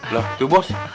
lah tuh bos